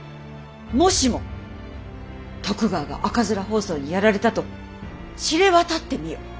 もしも徳川が赤面疱瘡にやられたと知れ渡ってみよ。